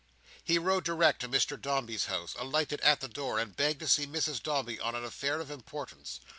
He rode direct to Mr Dombey's house, alighted at the door, and begged to see Mrs Dombey on an affair of importance.